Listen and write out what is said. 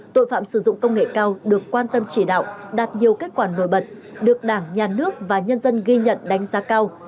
tội phạm sử dụng công nghệ cao được quan tâm chỉ đạo đạt nhiều kết quả nổi bật được đảng nhà nước và nhân dân ghi nhận đánh giá cao